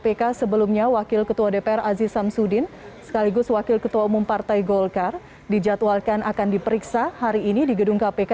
di kpk sebelumnya wakil ketua dpr aziz samsudin sekaligus wakil ketua umum partai golkar dijadwalkan akan diperiksa hari ini di gedung kpk